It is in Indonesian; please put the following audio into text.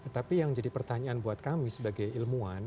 tapi yang jadi pertanyaan buat kami sebagai ilmuwan